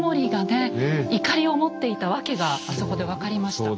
いかりを持っていた訳があそこで分かりました。